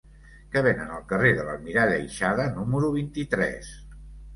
Què venen al carrer de l'Almirall Aixada número vint-i-tres?